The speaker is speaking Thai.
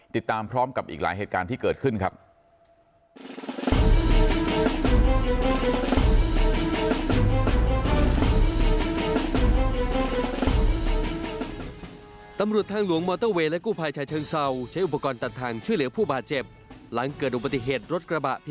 ติดตามพร้อมกับอีกหลายเหตุการณ์ที่เกิดขึ้นครับ